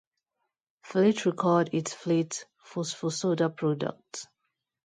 Fleet recalled its Fleet Phospho-Soda Products.